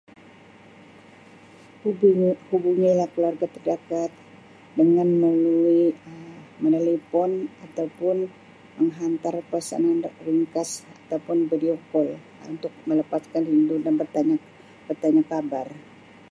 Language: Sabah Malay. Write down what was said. Hubungi hubungilah keluarga terdakat dengan melalui Um menelepon ataupun menghantar pesanan ringkas ataupun video call untuk melepaskan rindu dan bertanya bertanya khabar.